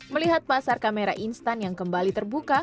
melihat pasar kamera instan yang kembali terbuka